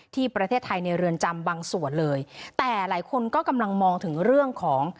ที่ประเทศไทยในเรือนจำบางส่วนเลยแต่หลายคนก็กำลังมองถึงเรื่องของ